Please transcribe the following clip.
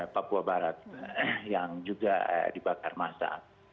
papua barat yang juga dibakar masa